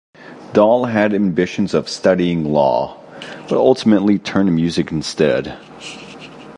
Dall had ambitions of studying law, but ultimately turned to music instead.